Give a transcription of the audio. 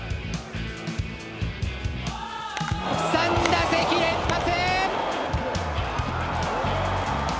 ３打席連発！